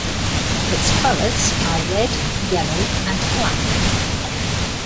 Its colors are red, yellow, and black.